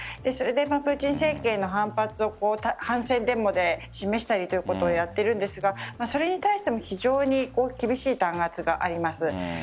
それでプーチン政権への反発を反戦デモで示したりということをやっているんですがそれに対しても非常に厳しい弾圧があります。